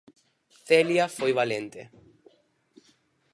Celia foi valente.